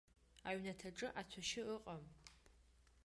Аҩнаҭаҿы ацәашьы ыҟам.